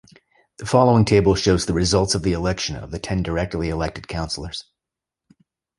The following table shows the results of the election of the ten directly-elected councillors.